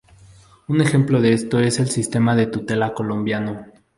Un ejemplo de esto es el sistema de tutela colombiano.